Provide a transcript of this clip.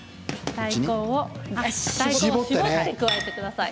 大根を絞って加えてください。